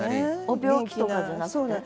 お病気とかじゃなくて？